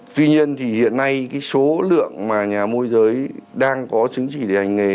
tuy nhiên thì hiện nay cái số lượng mà nhà môi giới đang có chứng chỉ để hành nghề